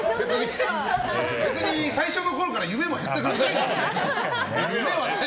別に最初のころから夢もへったくれもないですから。